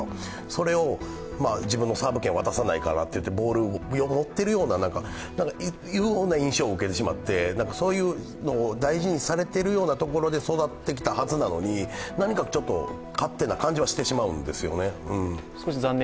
それを自分のサーブ権を渡さないからといってボールを持ってるような印象を受けてしまって、そういうのを大事にされているようなところで育ってきたはずなのに何かちょっと勝手な感じはしてしまうんですよね。